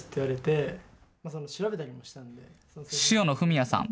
塩野文也さん。